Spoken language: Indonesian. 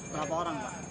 berapa orang pak